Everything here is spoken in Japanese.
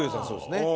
そうですね。